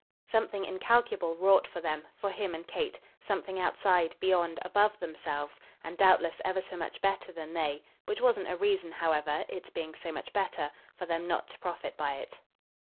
Something incalculable wrought for them for him and Kate; something outside, beyond, above themselves, and doubtless ever so much better than they: which wasn't a reason, however its being so much better for them not to profit by it.